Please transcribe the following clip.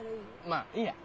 まあいいや。